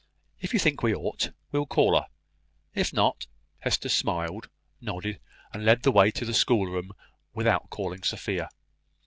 If you think we ought, we will call her. If not " Hester smiled, nodded, and led the way to the schoolroom without calling Sophia.